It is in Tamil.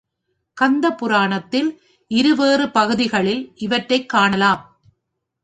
கந்தபுராணத்தில் இருவேறு பகுதிகளில் இவற்றைக் காணலாம்.